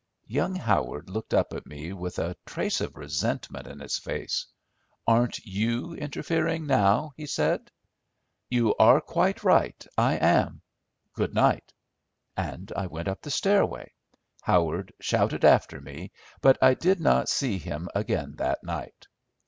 Young Howard looked up at me with a trace of resentment in his face. "Aren't you interfering now?" he said. "You are quite right, I am. Good night." And I went up the stairway. Howard shouted after me, but I did not see him again that night.